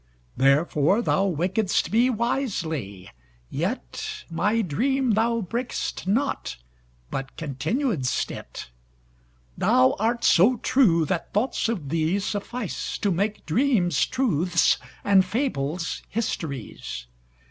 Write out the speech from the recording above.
Therefore thou waked'st me wisely; yetMy dream thou brak'st not, but continued'st it:Thou art so true that thoughts of thee sufficeTo make dreams truths and fables histories.